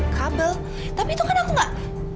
kabel tapi itu kan aku nggak